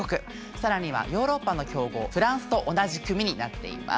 更にはヨーロッパの強豪フランスと同じ組になっています。